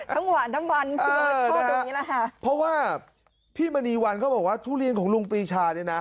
ทั้งหวานทั้งมันชอบตรงนี้แหละค่ะเพราะว่าพี่มณีวันเขาบอกว่าทุเรียนของลุงปีชาเนี่ยนะ